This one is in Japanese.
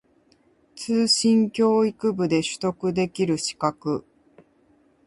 通信教育部で取得できる資格